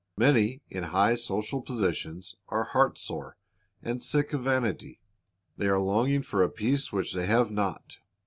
Many in high social positions are heart sore, and sick of vanity. They are longing for a peace which they have not.